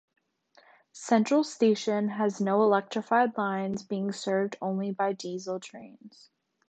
Central station has no electrified lines being served only by diesel trains.